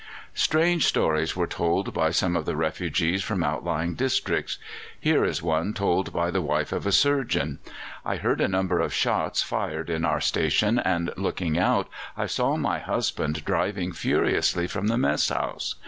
Strange stories were told by some of the refugees from outlying districts. Here is one told by the wife of a surgeon: "I heard a number of shots fired in our station, and looking out, I saw my husband driving furiously from the mess house.